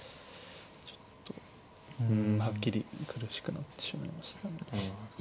ちょっとはっきり苦しくなってしまいましたね。